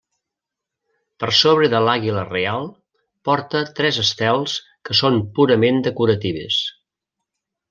Per sobre de l'àguila reial, porta tres estels que són purament decoratives.